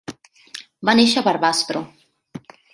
Va néixer a Barbastro.